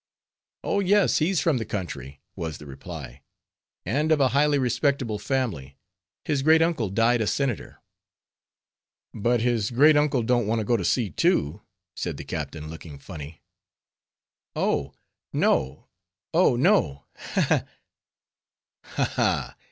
"Oh! yes, he's from the country," was the reply, "and of a highly respectable family; his great uncle died a Senator." "But his great uncle don't want to go to sea too?" said the captain, looking funny. "Oh! no, oh, no!— Ha! ha!" "Ha! ha!"